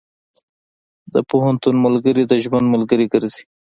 د پوهنتون ملګري د ژوند ملګري ګرځي.